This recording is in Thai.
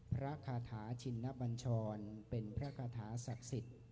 พระคาถาชินนบัญชรเป็นพระคาถาศักดิ์สิทธิ์